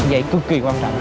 dây cực kỳ quan trọng